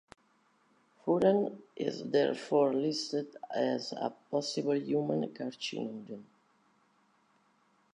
Furan is therefore listed as a possible human carcinogen.